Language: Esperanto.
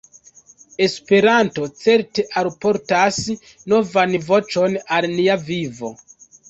Esperanto certe alportas novan voĉon al nia vivo.